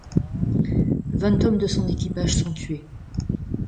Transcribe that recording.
Vingt hommes de son équipage sont tués.